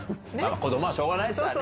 子供はしょうがないですからね。